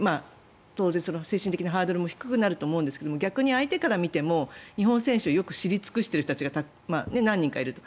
当然、精神的なハードルも低くなると思うんですが逆に相手から見ても日本選手をよく知り尽くしている選手が何人かいると。